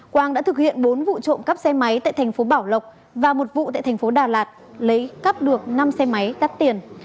quang đã thực hiện bốn vụ trộm cắp xe máy tại tp bảo lộc và một vụ tại tp đà lạt lấy cắp được năm xe máy đắt tiền